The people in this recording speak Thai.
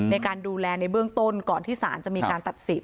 ในการดูแลในเบื้องต้นก่อนที่ศาลจะมีการตัดสิน